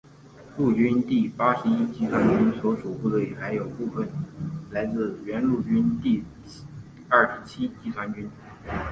陆军第八十一集团军所属部队还有部分来自原陆军第二十七集团军。